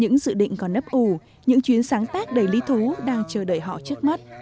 những dự định còn nấp ù những chuyến sáng tác đầy lý thú đang chờ đợi họ trước mắt